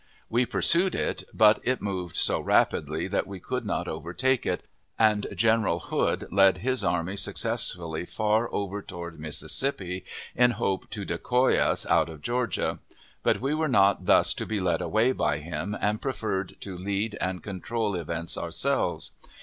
We pursued it, but it moved so rapidly that we could not overtake it, and General Hood led his army successfully far over toward Mississippi, in hope to decoy us out of Georgia. But we were not thus to be led away by him, and preferred to lead and control events ourselves.